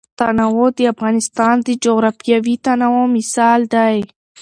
تنوع د افغانستان د جغرافیوي تنوع مثال دی.